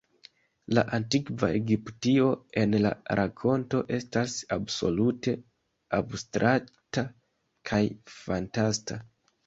La antikva Egiptio en la rakonto estas absolute abstrakta kaj fantasta.